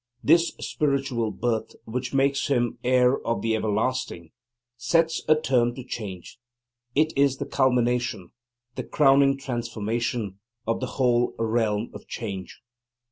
This spiritual birth, which makes him heir of the Everlasting, sets a term to change; it is the culmination, the crowning transformation, of the whole realm of change.